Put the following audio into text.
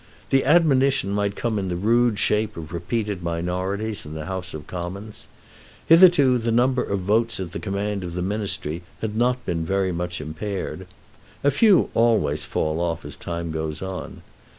The admonition might come in the rude shape of repeated minorities in the House of Commons. Hitherto the number of votes at the command of the Ministry had not been very much impaired. A few always fall off as time goes on.